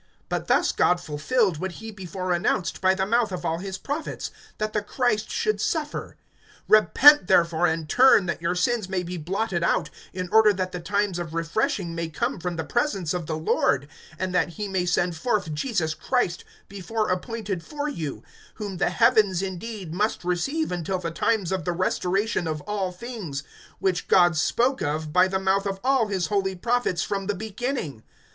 (18)But thus God fulfilled what he before announced by the mouth of all his prophets, that the Christ should suffer. (19)Repent therefore, and turn, that your sins may be blotted out, in order that the times of refreshing may come from the presence of the Lord; (20)and that he may send forth Jesus Christ, before appointed for you; (21)whom the heavens, indeed, must receive, until the times of the restoration of all things, which God spoke of by the mouth of all his holy prophets from the beginning.